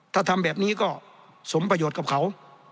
ถ้าทำแบบนี้ก็สมประโยชน์กับเขา